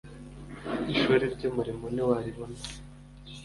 ishuri ryumurimo niwaribona